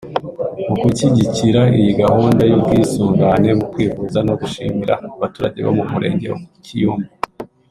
Mu gushyigikira iyi gahunda y’ubwisungane mu kwivuza no gushimira abaturage bo mu Murenge wa Kiyumba